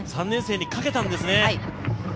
３年生に賭けたんですね。